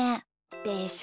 でしょ？